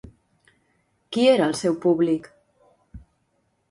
Qui era el seu públic?